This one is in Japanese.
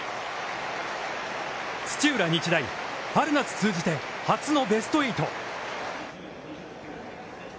土浦日大、春夏通じて初のベスト８。